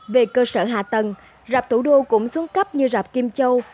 về cơ sở hạ tầng rạp thủ đô cũng xuống cấp như rạp kim châu